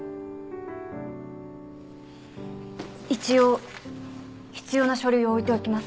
一応必要な書類を置いておきます。